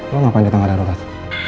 lo ngapain di tangga darurat